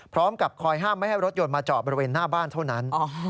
พร้อมกับคอยห้ามไม่ให้รถยนต์มาจอดบริเวณหน้าบ้านเท่านั้น